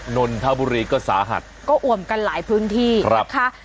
นนทบุรีก็สาหัสก็อวมกันหลายพื้นที่นะคะ